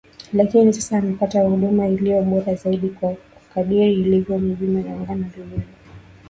Lakini sasa amepata huduma iliyo bora zaidi kwa kadiri alivyo mjumbe wa agano lililo